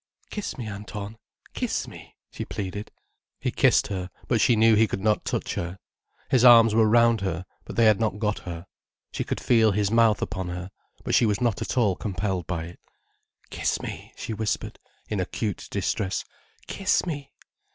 "Kiss me, Anton, kiss me," she pleaded. He kissed her, but she knew he could not touch her. His arms were round her, but they had not got her. She could feel his mouth upon her, but she was not at all compelled by it. "Kiss me," she whispered, in acute distress, "kiss me."